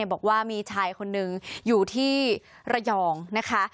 บอกว่ามีชายคนนึงอยู่ที่ระยองนะคะ